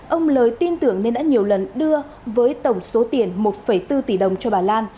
ông lời tin tưởng nên đã nhiều lần đưa với tổng số tiền một bốn tỷ đồng cho bà lan